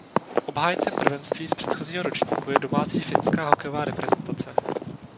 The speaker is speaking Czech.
Obhájcem prvenství z předchozího ročníku je domácí finská hokejová reprezentace.